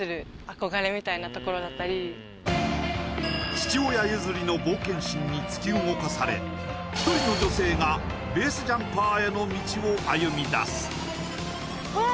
父親譲りの冒険心に突き動かされ１人の女性がベースジャンパーへの道を歩み出すワン！